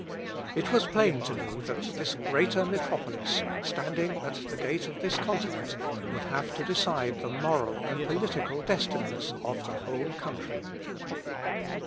It was plain to me that this greater Metropolis, standing at the gate of this continent, would have to decide the moral and political destinies of the whole country.